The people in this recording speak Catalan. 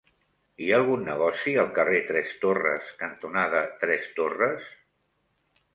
Hi ha algun negoci al carrer Tres Torres cantonada Tres Torres?